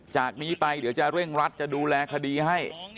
จากนี้ไปเดี๋ยวจะเร่งรัดจะดูแลคดีให้